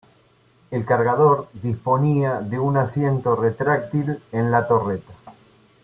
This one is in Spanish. El cargador disponía de un asiento retráctil en la torreta.